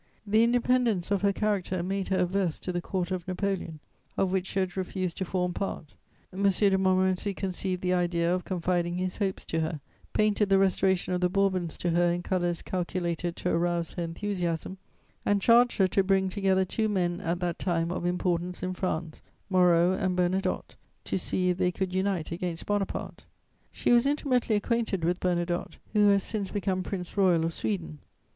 The independence of her character made her averse to the Court of Napoleon, of which she had refused to form part M. de Montmorency conceived the idea of confiding his hopes to her, painted the restoration of the Bourbons to her in colours calculated to arouse her enthusiasm, and charged her to bring together two men at that time of importance in France, Moreau and Bernadotte, to see if they could unite against Bonaparte. She was intimately acquainted with Bernadotte, who has since become Prince Royal of Sweden.